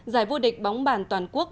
giải vua địch bóng bản toàn quốc